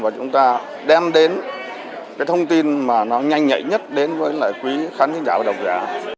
và chúng ta đem đến thông tin mà nó nhanh nhạy nhất đến với quý khán giả và đồng giả